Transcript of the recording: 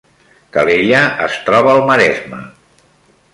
Calella es troba al Maresme